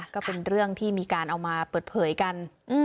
ก็เป็นเรื่องที่มีการเอามาเปิดเผยกัน